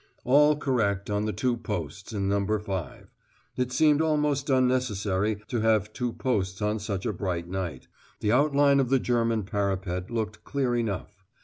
All correct on the two posts in No. 5. It seemed almost unnecessary to have two posts on such a bright night. The outline of the German parapet looked clear enough.